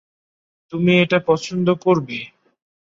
তুমি এটা পছন্দ করবে।